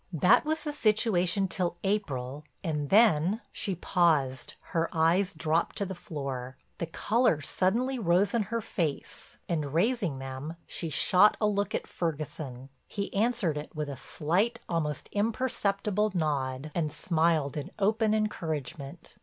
That was the situation till April and then—" She paused, her eyes dropped to the floor. The color suddenly rose in her face and raising them she shot a look at Ferguson. He answered it with a slight, almost imperceptible nod and smiled in open encouragement.